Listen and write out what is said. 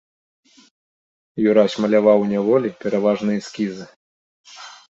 Юрась маляваў у няволі пераважна эскізы.